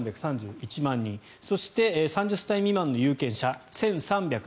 そして、３０歳未満の有権者１３７８万人。